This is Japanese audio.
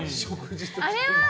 あれは？